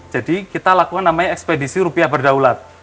kita lakukan namanya ekspedisi rupiah berdaulat